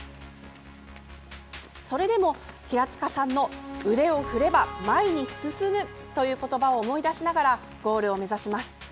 それでも平塚さんの腕を振れば前に進むという言葉を思い出しながらゴールを目指します。